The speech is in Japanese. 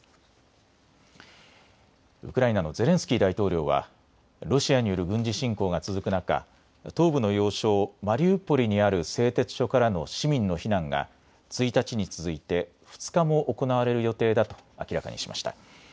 ウクライナのゼレンスキー大統領はロシアによる軍事侵攻が続く中、東部の要衝マリウポリにある製鉄所からの市民の避難が１日に続いて２日も行われる予定だと明らかにしました。